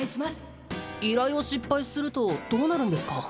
依頼を失敗するとどうなるんですか？